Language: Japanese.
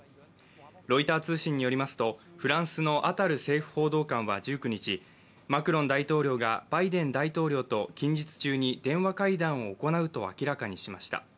ロイター通信によりますと、フランスのアタル政府報道官は１９日、マクロン大統領がバイデン大統領と近日中に電話会談を行うと明らかにしました。